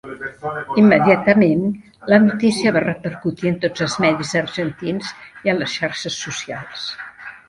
Immediatament, la notícia va repercutir en tots els medis argentins i en les xarxes socials.